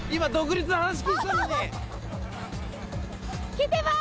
きてます！